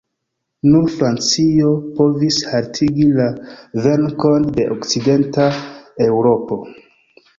Nur Francio povis haltigi la venkon de okcidenta Eŭropo.